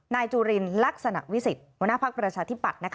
นายจุรินรักษณะวิสิทธิ์หัวหน้าพักประชาธิบัตร